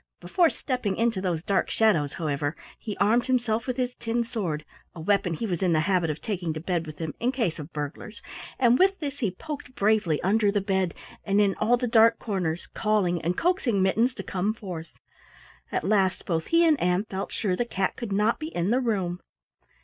Before stepping into those dark shadows, however, he armed himself with his tin sword, a weapon he was in the habit of taking to bed with him in case of burglars, and with this he poked bravely under the bed and in all the dark corners, calling and coaxing Mittens to come forth. At last both he and Ann felt sure the cat could not be in the room.